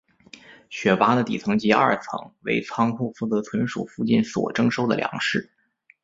雪巴的底层及二层为仓库负责存储附近所征收的粮食。